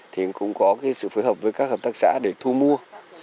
thì cũng có sự phối hợp với các hợp tác xã để thu mua